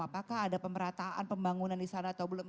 apakah ada pemerataan pembangunan di sana atau belum